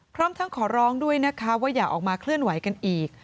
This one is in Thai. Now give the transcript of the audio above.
พร้อมทั้งขอร้องด้วยนะคะว่าอย่าออกมาเคลื่อนไหวกันอีก